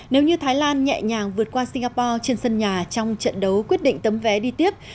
nếu như thái lan nhẹ nhàng vượt qua singapore trên sân nhà trong trận đấu quyết định tấm vé đi tiếp